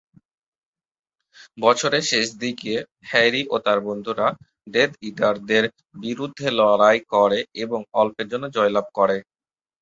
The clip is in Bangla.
বছরের শেষ দিকে, হ্যারি ও তার বন্ধুরা ডেথ ইটারদের বিরুদ্ধে লড়াই করে এবং অল্পের জন্য জয়লাভ করে।